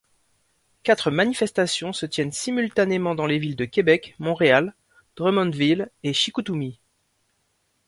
Quatre manifestations se tiennent simultanément dans les villes de Québec, Montréal, Drummondville et Chicoutimi.